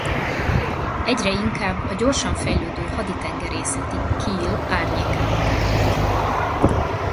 Egyre inkább a gyorsan fejlődő haditengerészeti Kiel árnyékába került.